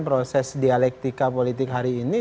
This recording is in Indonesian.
proses dialektika politik hari ini